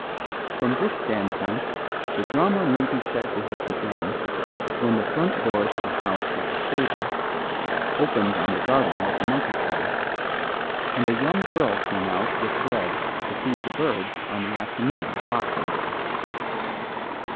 From this standpoint the drama may be said to have begun when the front doors of the house with the stable opened on the garden with the monkey tree, and a young girl came out with bread to feed the birds on the afternoon of Boxing Day.